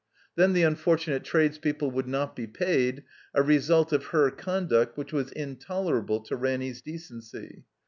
Then the tinfortunate tradespeople wotdd not be paid, a result of her conduct which was intolerable to Ranny's decency.